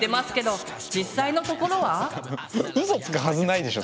うそつくはずないでしょ